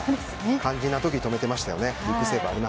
肝心な時に止めてましたよね。